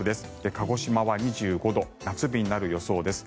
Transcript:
鹿児島は２５度夏日になる予想です。